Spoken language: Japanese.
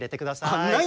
はい？